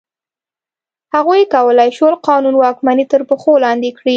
هغوی کولای شول قانون واکمني تر پښو لاندې کړي.